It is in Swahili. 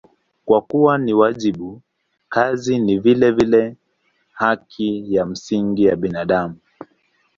Kwa kuwa ni wajibu, kazi ni vilevile haki ya msingi ya binadamu.